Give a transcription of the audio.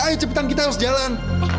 ayo cepatan kita harus jalan